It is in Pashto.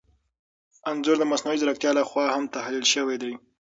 انځور د مصنوعي ځیرکتیا لخوا هم تحلیل شوی دی.